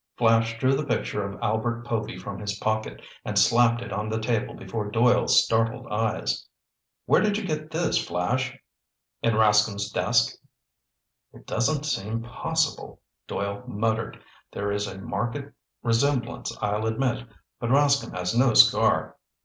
Flash drew the picture of Albert Povy from his pocket and slapped it on the table before Doyle's startled eyes. "Where did you get this, Flash?" "In Rascomb's desk!" "It doesn't seem possible," Doyle muttered. "There is a marked resemblance I'll admit, but Rascomb has no scar."